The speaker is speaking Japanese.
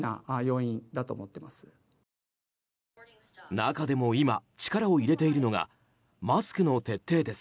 中でも今、力を入れているのがマスクの徹底です。